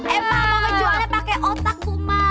emang mau ngejual ya pakai otak buma